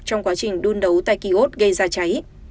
trong quá trình đun đấu tại ký hốt gây ra cháy